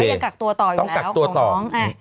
แต่เราจะกักตัวต่ออยู่แล้วของน้อง